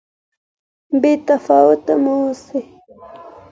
بې تفاوته مه اوسئ.